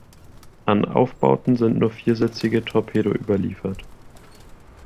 An Aufbauten sind nur viersitzige Torpedo überliefert.